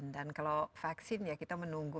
dan kalau vaksin ya kita menunggu